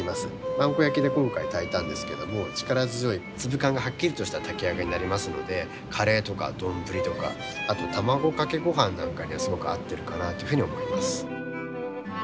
萬古焼で今回炊いたんですけども力強い粒感がはっきりとした炊き上がりになりますのでカレーとか丼とかあと卵かけごはんなんかにはすごく合ってるかなというふうに思います。